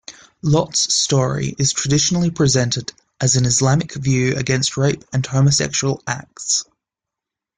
Lot's story is traditionally presented as an Islamic view against rape and homosexual acts.